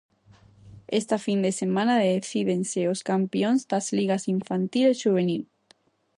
Esta fin de semana decídense os campións das ligas infantil e xuvenil.